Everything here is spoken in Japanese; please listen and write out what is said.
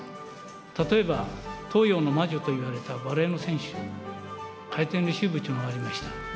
例えば東洋の魔女と言われたバレーの選手、回転レシーブっちゅうのがありました。